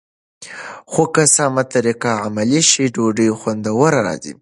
خو که سمه طریقه عملي شي، ډوډۍ خوندوره راځي.